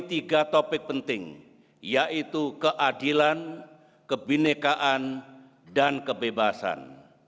yang pertama adalah topik penting yaitu keadilan kebenekaan dan kebebasan